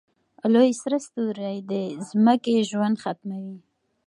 لوی سره ستوری د ځمکې ژوند ختموي.